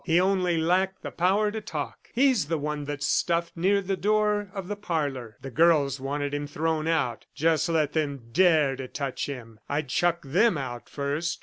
He only lacked the power to talk. He's the one that's stuffed, near the door of the parlor. The girls wanted him thrown out. ... Just let them dare to touch him! I'd chuck them out first!"